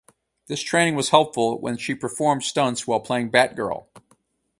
This training was helpful when she performed stunts while playing Batgirl.